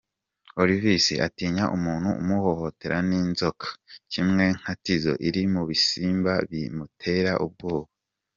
Olivis : Atinya umuntu umuhohotera n’inzoka, kimwe nka Tizzo iri mu bisimba bimutera ubwoba.